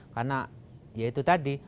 karena ya itu tadi